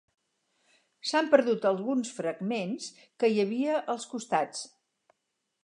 S'han perdut alguns fragments que n'hi havia als costats.